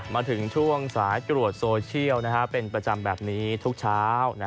มาถึงช่วงสายตรวจโซเชียลเป็นประจำแบบนี้ทุกเช้า